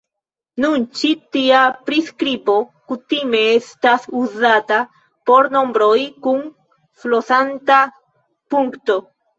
Nun ĉi tia priskribo kutime estas uzata por nombroj kun flosanta punkto.